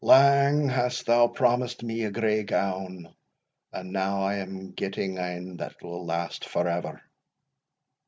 lang hast thou promised me a grey gown, and now I am getting ane that will last for ever."